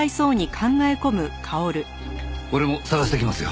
俺も捜してきますよ。